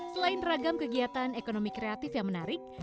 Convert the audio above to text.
selain ragam kegiatan ekonomi kreatif yang menarik